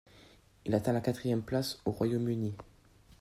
Il atteint la quatrième place au Royaume-Uni.